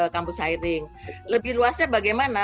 kampus hiring lebih luasnya bagaimana